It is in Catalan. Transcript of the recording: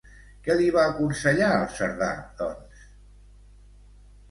Què li va aconsellar el Cerdà, doncs?